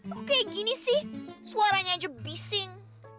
kok kayak gini sih suaranya aja bising